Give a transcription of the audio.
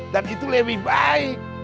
dan itu lebih baik